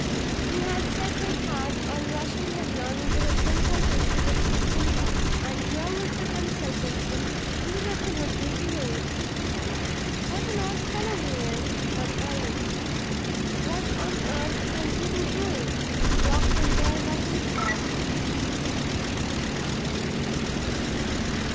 He had set his heart on rushing headlong into his consultation with Midwinter, and here was the consultation indefinitely delayed. "What an odd fellow he is!" thought Allan. "What on earth can he be doing, locked in there by himself?"